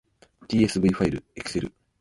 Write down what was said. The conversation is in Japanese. tsv ファイルエクセル